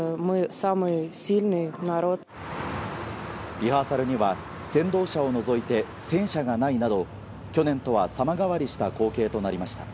リハーサルには先導車を除いて戦車がないなど去年とは様変わりした光景となりました。